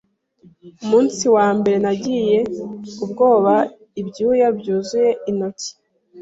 Umunsi wa mbere nagize ubwoba ibyuya byuzura intoki